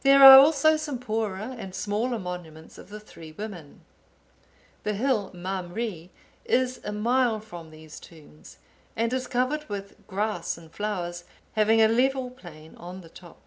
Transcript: There are also some poorer and smaller monuments of the three women. The hill Mamre is a mile from these tombs, and is covered with grass and flowers, having a level plain on the top.